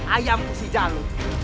ayam si jalur